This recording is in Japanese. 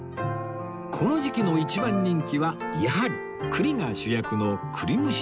この時期の一番人気はやはり栗が主役の栗蒸し羊羹